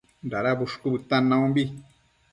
Dada bushcu bëtan naumbi